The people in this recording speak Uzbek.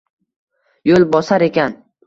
Yo’l bosar ekan